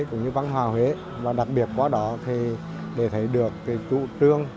cũng như văn hóa huế và đặc biệt qua đó để thấy được chủ trương